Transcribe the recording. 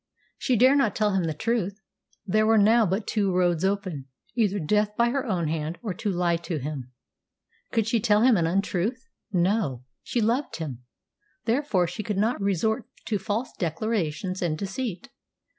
She dare not tell him the truth. There were now but two roads open either death by her own hand or to lie to him. Could she tell him an untruth? No. She loved him, therefore she could not resort to false declarations and deceit.